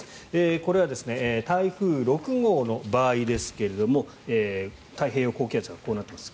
これは台風６号の場合ですが太平洋高気圧がこうなっています。